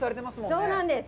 そうなんです。